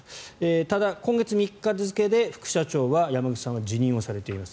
ただ、今月３日付で副社長は山口さんは辞任されています。